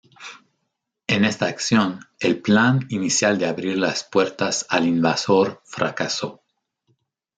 En esta acción, el plan inicial de abrir las puertas al invasor fracasó.